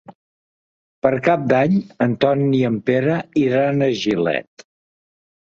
Per Cap d'Any en Ton i en Pere iran a Gilet.